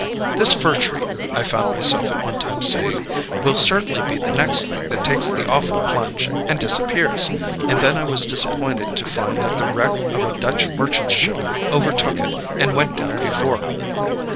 'This fir tree,' I found myself at one time saying, 'will certainly be the next thing that takes the awful plunge and disappears'; and then I was disappointed to find that the wreck of a Dutch merchant ship overtook it and went down before.